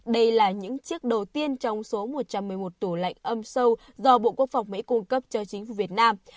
đây là những chiếc đầu tiên trong số một trăm một mươi một tủ lạnh âm sâu do bộ quốc phòng mỹ cung cấp cho chính phủ việt nam